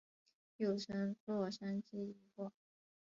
又称洛杉矶疑惑。